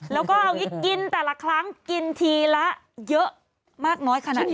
แล้วก็เอาอย่างนี้กินแต่ละครั้งกินทีละเยอะมากน้อยขนาดนี้